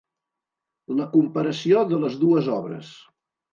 La comparació de les dues obres.